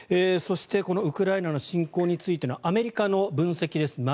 そしてウクライナの侵攻についてアメリカの分析です。